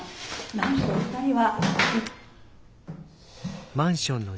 なんとお二人は」。